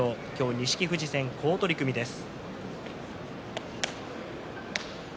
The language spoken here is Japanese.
錦富士戦、好取組です。